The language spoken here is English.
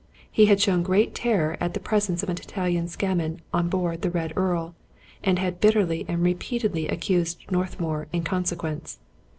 He had shown great terror at the pres ence of an Italian seaman on board the " Red Earl," and had bitterly and repeatedly accused Northmour in conse quence.